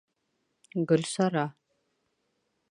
Гөлсара